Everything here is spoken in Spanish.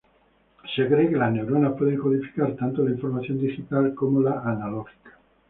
Se cree que las neuronas pueden codificar tanto la información digital como la analógica.